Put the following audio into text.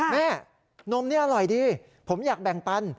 นมนี่อร่อยดีผมอยากแบ่งปัน